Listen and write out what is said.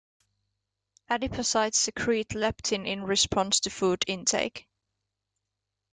Adipocytes secrete leptin in response to food intake.